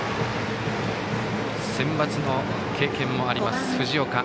センバツの経験もあります藤岡。